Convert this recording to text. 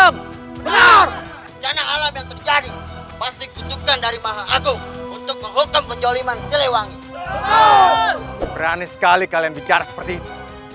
berani sekali kalian bicara seperti itu